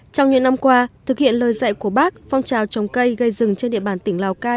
trong những năm qua thực hiện lời dạy của bác phong trào trồng cây gây rừng trên địa bàn tỉnh lào cai